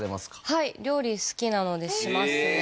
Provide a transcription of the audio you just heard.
はい料理好きなのでしますね